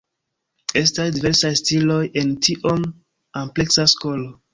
Estas diversaj stiloj en tiom ampleksa skolo.